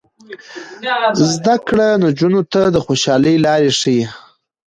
زده کړه نجونو ته د خوشحالۍ لارې ښيي.